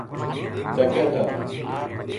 ڈَکے تھا